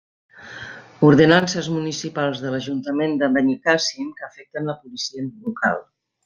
Ordenances municipals de l'ajuntament de Benicàssim que afecten la Policia Local.